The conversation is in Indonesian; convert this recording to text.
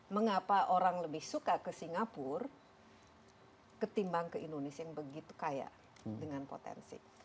mengapa orang lebih suka ke singapura ketimbang ke indonesia yang begitu kaya dengan potensi